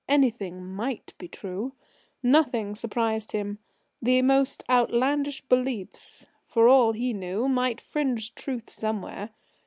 Anything might be true. Nothing surprised him. The most outlandish beliefs, for all he knew, might fringe truth somewhere.